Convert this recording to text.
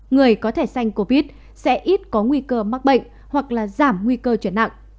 người có thẻ xanh covid sẽ ít có nguy cơ mắc bệnh hoặc là giảm nguy cơ chuyển nặng